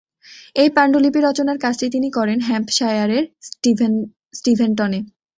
এই পাণ্ডুলিপি রচনার কাজটি তিনি করেন হ্যাম্পশায়ারের স্টিভেনটনে।